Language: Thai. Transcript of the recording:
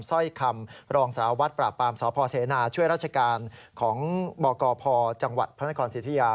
สร้อยคำรองสารวัตรปราบปรามสพเสนาช่วยราชการของบกพจังหวัดพระนครสิทธิยา